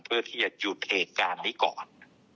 เพื่อที่จะหยุดเหตุการณ์นี้ก่อน